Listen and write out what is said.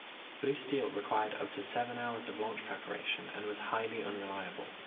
Blue Steel required up to seven hours of launch preparation, and was highly unreliable.